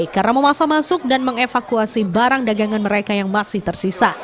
karena memaksa masuk dan mengevakuasi barang dagangan mereka yang masih tersisa